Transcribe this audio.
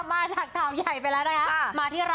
มาจากข่าวใหญ่ไปแล้วนะคะ